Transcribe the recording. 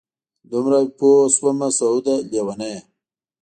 دومره پوه شومه سعوده لېونیه!